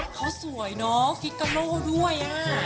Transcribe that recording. รถเขาสวยเนอะฟิกาโน่ด้วย